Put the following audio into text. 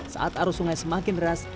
saat arus sungai semakin deras